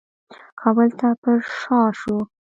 کابل ته پرشا شو.